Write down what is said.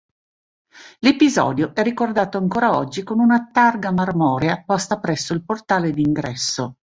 L'episodio è ricordato ancora oggi con una targa marmorea posta presso il portale d'ingresso.